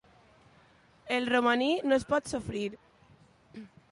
El romaní no es pot sofrir.